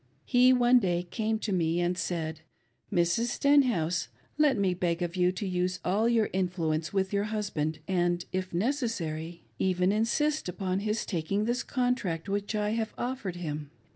He one day came to me and said, " Mrs. Stenhouse, let me beg of you to use all your influence with your hus band, and, if necessary, even insist upon his taking this con tract which I have offered him.